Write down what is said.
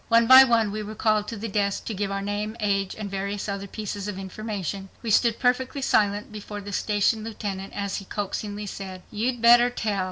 One by one we were called to the desk to give our name, age, and various other pieces of information. We stood perfectly silent before the station lieutenant as he coaxingly said, "You'd better tell."